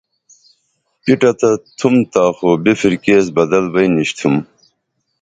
پِٹہ تہ تُھما تا خو بھرکی ایس بہ بدل بئ نِشتُھم